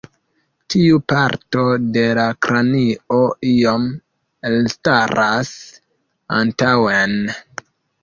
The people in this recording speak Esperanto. Tiu parto de la kranio iom elstaras antaŭen.